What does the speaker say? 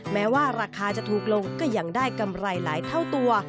แม้ว่าราคาจะถูกลงก็ยังได้กำไรหลายเท่าตัว